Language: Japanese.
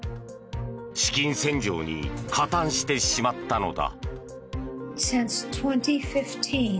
資金洗浄に加担してしまったのだ。